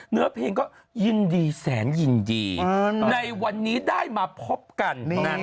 เนื้อเพลงก็ยินดีแสนยินดีในวันนี้ได้มาพบกัน